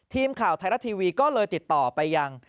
ทีมข่าวไทยรัฐทีวีก็เลยติดต่อไปยัง